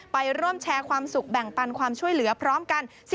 ไปร่วมแชร์ความสุขแบ่งปันความช่วยเหลือพร้อมกัน